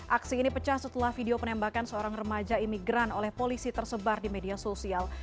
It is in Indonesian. aksi ini pecah setelah video penembakan seorang remaja imigran oleh polisi tersebar di media sosial